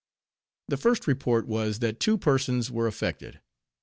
The first report was, that two persons were affected.